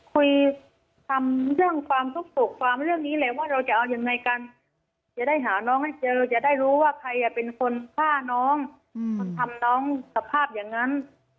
คุยทำเรื่องความทุกข์ปกความเรื่องนี้เลยว่าเราจะเอายังไงกันจะได้หาน้องให้เจอจะได้รู้ว่าใครเป็นคนฆ่าน้องคนทำน้องสภาพอย่างนั้น